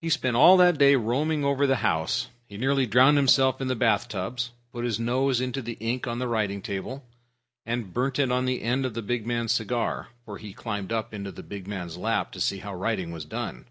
He spent all that day roaming over the house. He nearly drowned himself in the bath tubs, put his nose into the ink on a writing table, and burned it on the end of the big man's cigar, for he climbed up in the big man's lap to see how writing was done.